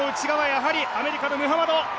やはりアメリカのムハマド。